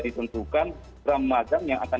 ditentukan ramadhan yang akan